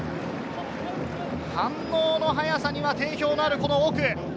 反応の速さには定評のある奥。